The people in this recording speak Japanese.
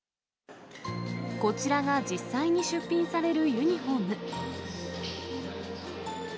こちらが実際に出品されるユニホーム。